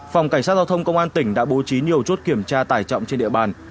phòng cảnh sát giao thông công an tỉnh đã bố trí nhiều chốt kiểm tra tải trọng trên địa bàn